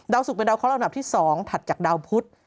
ดาวศุกร์เป็นดาวข้อละหลับที่๒ถัดจากดาวพุทธ